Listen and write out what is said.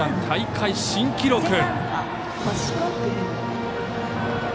大会新記録。